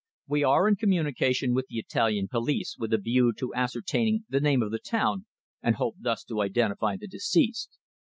We are in communication with the Italian police with a view to ascertaining the name of the town, and hope thus to identify the deceased."